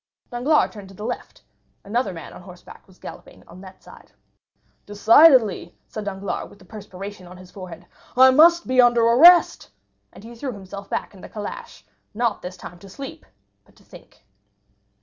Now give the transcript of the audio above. Danglars turned to the left; another man on horseback was galloping on that side. "Decidedly," said Danglars, with the perspiration on his forehead, "I must be under arrest." And he threw himself back in the calash, not this time to sleep, but to think.